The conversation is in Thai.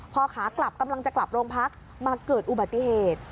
พอขากลับกำลังจะกลับโรงพักมาเกิดอุบัติเหตุ